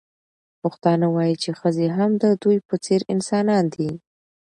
پښتانه وايي چې ښځې هم د دوی په څېر انسانان دي.